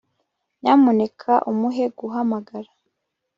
Nyamuneka umuhe guhamagara